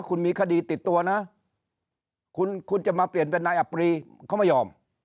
คุณมีคดีติดตัวนะคุณคุณจะมาเปลี่ยนเป็นนายอับรีเขาไม่ยอม